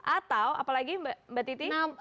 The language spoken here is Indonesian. atau apalagi mbak titi